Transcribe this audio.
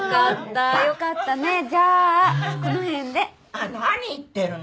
あっ何言ってるのよ。